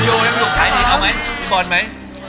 ยังอยู่พี่บอลไหม